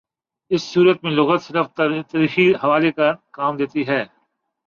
اس صورت میں لغت صرف تاریخی حوالے کا کام دیتی ہے۔